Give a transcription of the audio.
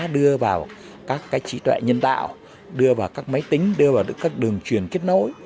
đưa vào các trí tuệ nhân tạo đưa vào các máy tính đưa vào các đường truyền kết nối